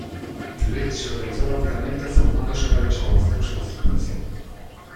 Juliette se organizó rápidamente formándose varios aguaceros en la circulación.